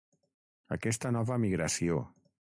Aquesta nova migració.